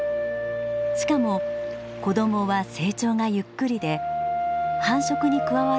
しかも子どもは成長がゆっくりで繁殖に加わるのは１０歳くらいからです。